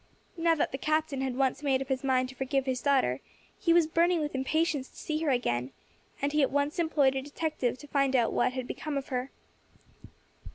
Now that the Captain had once made up his mind to forgive his daughter, he was burning with impatience to see her again, and he at once employed a detective to find out what had become of her.